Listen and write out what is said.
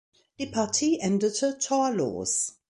Die Partie endete torlos.